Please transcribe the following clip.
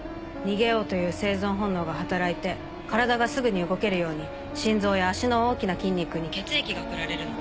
逃げようという生存本能が働いて体がすぐに動けるように心臓や脚の大きな筋肉に血液が送られるの。